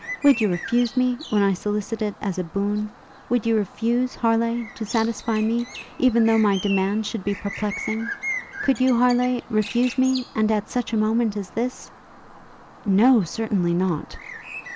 would you refuse me when I solicit it as a boon? would you refuse, Harleigh, to satisfy me, even though my demand should be perplexing? could you, Harleigh, refuse me? And at such a moment as this?' 'No, certainly not!'